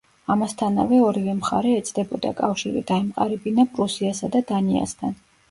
ამასთანავე ორივე მხარე ეცდებოდა კავშირი დაემყარებინა პრუსიასა და დანიასთან.